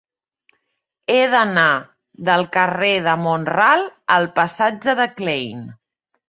He d'anar del carrer de Mont-ral al passatge de Klein.